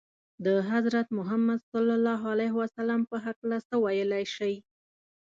د حضرت محمد ﷺ په هکله څه ویلای شئ؟